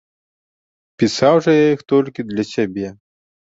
Пісаў жа я іх толькі для сябе.